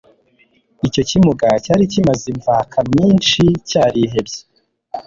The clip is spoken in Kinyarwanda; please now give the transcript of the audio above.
icyo kimuga cyari kimaze imvaka myinshi cyarihebye.